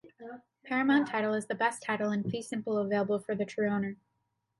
Paramount title is the best title in Fee simple available for the true owner.